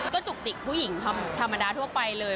ก็จุกจิกผู้หญิงธรรมดาทั่วไปเลย